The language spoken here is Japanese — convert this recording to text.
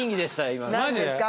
今の何でですか？